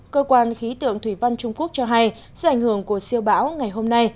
cơ quan khí tượng thủy văn trung quốc cho hay do ảnh hưởng của siêu bão ngày hôm nay